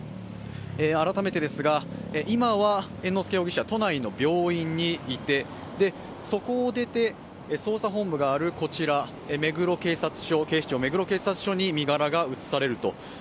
改めてですが、今は猿之助容疑者都内の病院にいてそこを出て、捜査本部があるこちら警視庁目黒警察署に身柄が移されると。